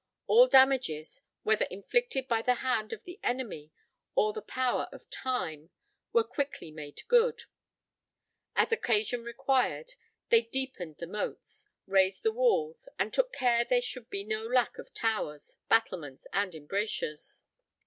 All damages, whether inflicted by the hand of the enemy or the power of time, were quickly made good. As occasion required, they deepened the moats, raised the walls, and took care there should be no lack of towers, battlements, and embrasures.